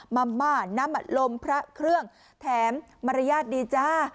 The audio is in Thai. มัมม่าน้ำอัดลมพระเครื่องแถมมารยาทดีจ้า